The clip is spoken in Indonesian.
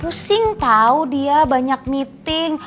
pusing tahu dia banyak meeting